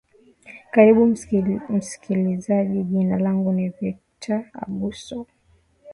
karibu msikilizaji jina langu ni victor abuso